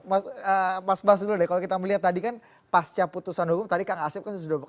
mas mas bahas dulu deh kalau kita melihat tadi kan pasca putusan hukum tadi kang asyaf kan sudah berbicara